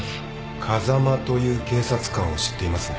風間という警察官を知っていますね？